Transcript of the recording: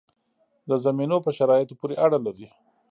د زمینو په شرایطو پورې اړه لري.